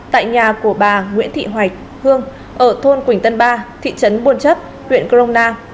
tại nhà của bà nguyễn thị hoạch hương ở thôn quỳnh tân ba thị trấn buôn chấp huyện crongna